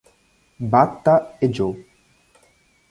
Batta e Gio.